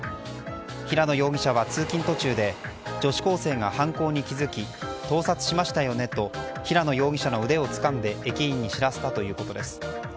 平野容疑者は通勤途中で女子高生が犯行に気付き盗撮しましたよねと平野容疑者の腕をつかんで駅員に知らせたということです。